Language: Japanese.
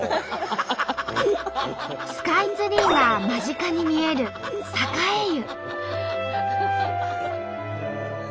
スカイツリーが間近に見える栄湯。